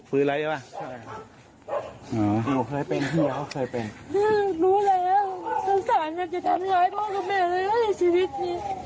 รู้แล้วสังสารอยากจะทำย้ายบ้าคุณแม่เลยในชีวิตนี้